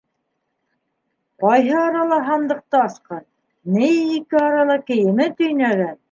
Ҡайһы арала һандыҡты асҡан, ни ике арала кейемен төйнәгән.